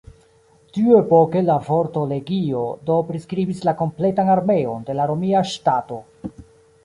Tiuepoke la vorto "legio" do priskribis la kompletan armeon de la romia ŝtato.